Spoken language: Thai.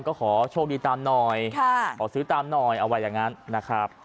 ก็ขอโชคดีตามหน่อยขอซื้อตามหน่อยเอาไว้อย่างนั้นนะครับ